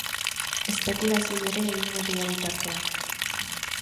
Espekulazioei ere egingo diegu tartea.